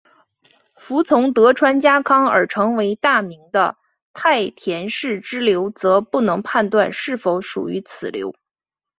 服从德川家康而成为大名的太田氏支流则不能判断是否属于此流。